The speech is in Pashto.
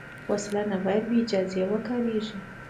وسله نه باید بېاجازه وکارېږي